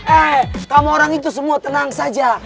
eh kamu orang itu semua tenang saja